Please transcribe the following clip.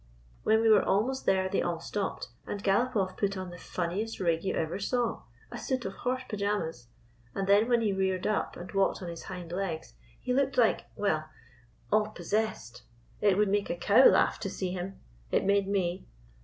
When we were almost there, they all stopped, and Galopoff pat on the funniest rig you ever saw — a suit of horse pajamas — and then when he reared up and walked on his hind legs he looked like — well, all possessed. It would make a cow laugh to see him. It made me."